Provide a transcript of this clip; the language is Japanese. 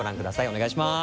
お願いします。